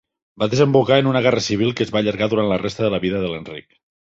Va desembocar en una guerra civil que es va allargar durant la resta de vida de l'Enric.